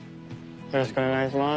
よろしくお願いします。